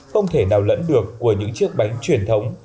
không thể nào lẫn được của những chiếc bánh truyền thống